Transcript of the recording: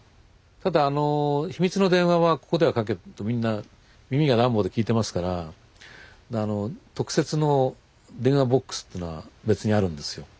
ただ秘密の電話はここでかけるとみんな耳がダンボで聞いてますから特設の電話ボックスというのが別にあるんですよ。